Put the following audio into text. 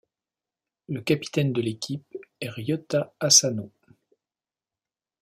Le capitaine de l'équipe est Ryota Asano.